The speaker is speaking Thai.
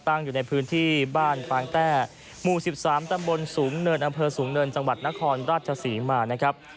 อยู่ในพื้นที่บ้านปางแต้หมู่๑๓ตำบลสูงเนินอำเภอสูงเนินจังหวัดนครราชศรีมานะครับ